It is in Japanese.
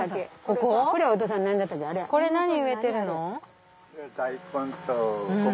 これ何植えてるの？